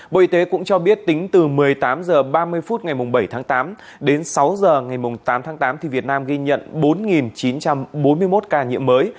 bộ y tế cũng cho biết tính từ một mươi tám h ba mươi phút ngày bảy tháng tám đến sáu h ngày tám tháng tám việt nam ghi nhận bốn chín trăm bốn mươi một ca nhiễm mới